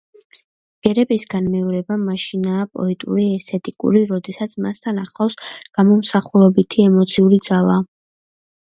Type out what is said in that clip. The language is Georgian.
ბგერების გამეორება მაშინაა პოეტური, ესთეტიკური როდესაც მას თან ახლავს გამომსახველობითი ემოციური ძალა.